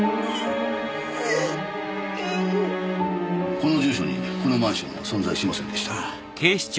この住所にこのマンションは存在しませんでした。